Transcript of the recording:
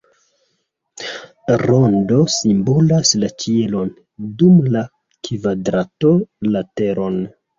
Rondo simbolas la ĉielon, dum la kvadrato la teron.